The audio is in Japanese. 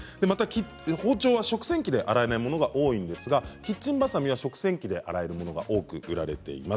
包丁は食洗機で洗えないものが多いんですがキッチンバサミは食洗機で洗えるものも多く売られています。